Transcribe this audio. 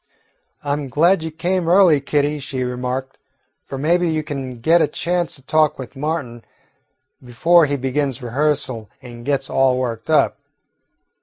"I 'm glad you came early, Kitty," she remarked, "for maybe you can get a chance to talk with Martin before he begins rehearsal and gets all worked up.